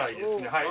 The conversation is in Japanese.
はい。